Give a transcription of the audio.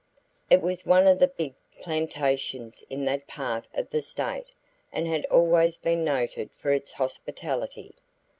It was one of the big plantations in that part of the state, and had always been noted for its hospitality.